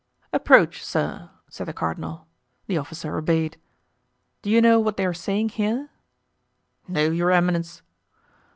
"Approach, sir," said the cardinal. The officer obeyed. "Do you know what they are saying here?" "No, your eminence."